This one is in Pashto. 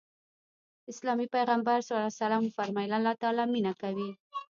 د اسلام پيغمبر ص وفرمايل الله تعالی مينه کوي.